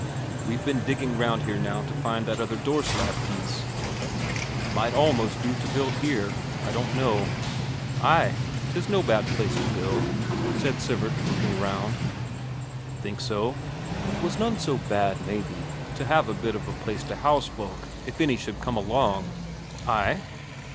"We've been digging round here now to find that other door slab piece; might almost do to build here. I don't know...." "Ay, 'tis no bad place to build," said Sivert, looking round. "Think so? 'Twas none so bad, maybe, to have a bit of a place to house folk if any should come along." "Ay."